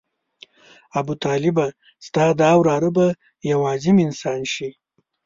ابوطالبه ستا دا وراره به یو عظیم انسان شي.